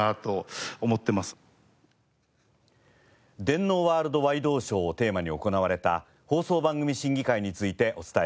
『電脳ワールドワイ動ショー』をテーマに行われた放送番組審議会についてお伝えしました。